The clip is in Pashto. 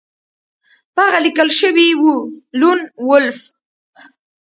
په هغه لیکل شوي وو لون وولف